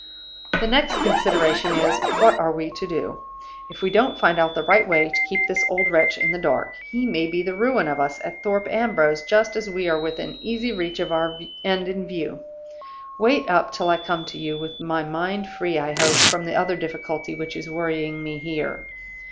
"The next consideration is, What are we to do? If we don't find out the right way to keep this old wretch in the dark, he may be the ruin of us at Thorpe Ambrose just as we are within easy reach of our end in view. Wait up till I come to you, with my mind free, I hope, from the other difficulty which is worrying me here.